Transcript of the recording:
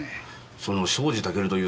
その庄司タケルという作家